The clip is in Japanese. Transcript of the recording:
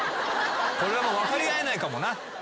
これはもう分かり合えないかもな。